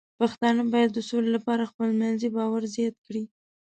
پښتانه بايد د سولې لپاره خپلمنځي باور زیات کړي.